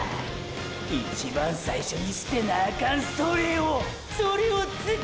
一番最初に捨てなあかんそれをーーそれを使て？